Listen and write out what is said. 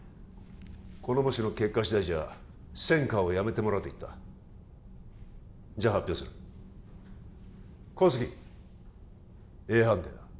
この模試の結果次第じゃ専科をやめてもらうと言ったじゃ発表する小杉Ａ判定だ